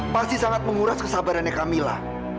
pasti sangat menguras kesabarannya kamila